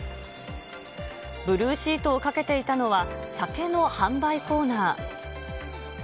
ブルーシートをかけていたのは、酒の販売コーナー。